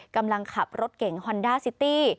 กำลังขับรถเก่งฮอนด้าซิตี้